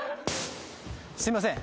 すいません。